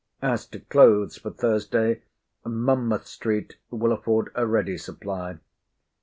As to clothes for Thursday, Monmouth street will afford a ready supply.